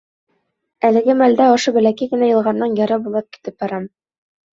Әлеге мәлдә ошо бәләкәй генә йылғаның яры буйлап китеп барам.